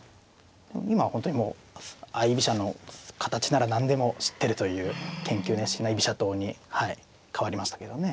今は本当にもう相居飛車の形なら何でも知ってるという研究熱心な居飛車党に変わりましたけどね。